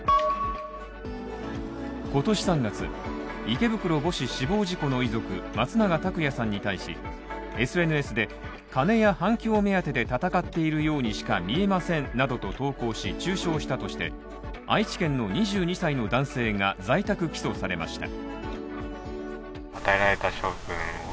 今年３月池袋母子死亡事故の遺族松永拓也さんに対しＳＮＳで金や反響目当てで闘っているようにしか見えませんなどと投稿し、中傷したとして愛知県の２２歳の男性が在宅起訴されました。